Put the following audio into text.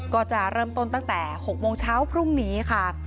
ก็จะเริ่มต้นตั้งแต่๖โมงเช้าพรุ่งนี้ค่ะ